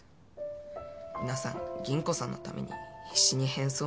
皆さん吟子さんのために必死に変装までして。